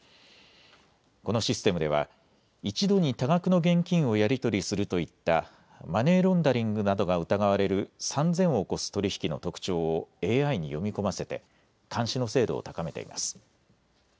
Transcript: このシステムでは一度に多額の現金をやり取りするといったマネーロンダリングなどが疑われる３０００を超す取り引きの特徴をＡＩに読み込ませて監視の精度を高めています。